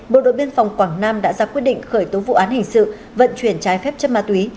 bộ đội biên phòng quảng nam đã ra quyết định khởi tố vụ án hình sự vận chuyển trái phép chất ma túy